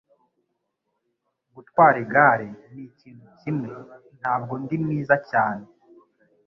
Gutwara igare nikintu kimwe ntabwo ndi mwiza cyane.